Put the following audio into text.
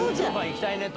行きたいねと。